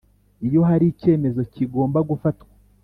Iyo hari icyemezo kigomba gufatwa